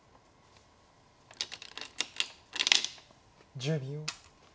１０秒。